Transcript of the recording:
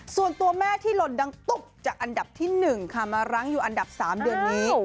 ส่วนตัวแม่ที่หล่นดังตุ๊บจากอันดับที่๑ค่ะมารั้งอยู่อันดับ๓เดือนนี้